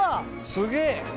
「すげえ！」